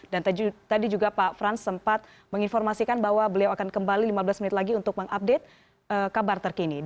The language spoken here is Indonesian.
dan tadi juga pak frans sempat menginformasikan bahwa beliau akan kembali lima belas menit lagi untuk mengupdate kabar terkini